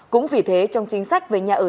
cũng vì thế trong chính sách về nhà ở